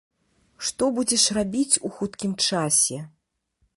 Што будзеш рабіць ў хуткім часе?